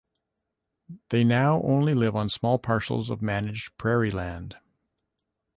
They now only live on small parcels of managed prairie land.